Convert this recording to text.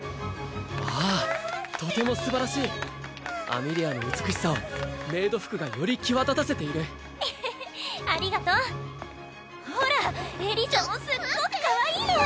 ああとてもすばらしいわあステキアメリアの美しさをメイド服がより際立たせているエヘヘありがとうほらエリサもすっごくかわいいの！